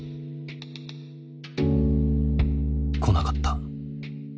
来なかった。